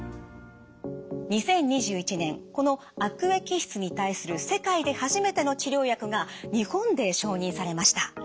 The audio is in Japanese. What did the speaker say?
２０２１年この悪液質に対する世界で初めての治療薬が日本で承認されました。